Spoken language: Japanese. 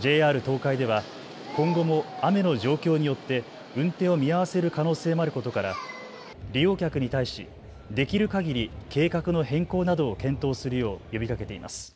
ＪＲ東海では今後も雨の状況によって運転を見合わせる可能性もあることから利用客に対し、できるかぎり計画の変更などを検討するよう呼びかけています。